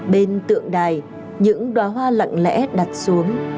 bên tượng đài những đoá hoa lặng lẽ đặt xuống